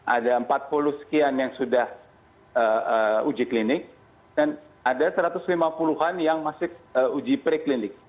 ada empat puluh sekian yang sudah uji klinik dan ada satu ratus lima puluh an yang masih uji pre klinik